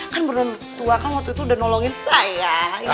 kan berdua tua kan waktu itu udah nolongin saya